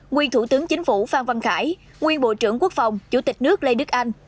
nguyên thủ tướng chính phủ phan văn khải nguyên bộ trưởng quốc phòng chủ tịch nước lê đức anh